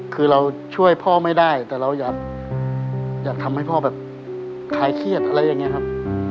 คือเราช่วยพ่อไม่ได้แต่เราอยากทำให้พ่อแบบคลายเครียดอะไรอย่างนี้ครับ